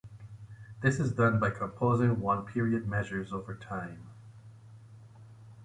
This is done by composing one-period measures over time.